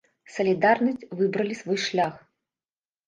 Салідарнасць, выбралі свой шлях.